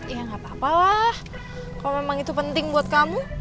ya gapapa lah kalau memang itu penting buat kamu